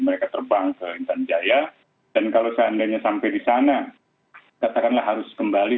mereka terbang ke intan jaya dan kalau seandainya sampai di sana katakanlah harus kembali